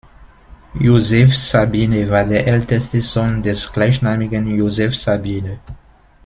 Joseph Sabine war der älteste Sohn des gleichnamigen Joseph Sabine.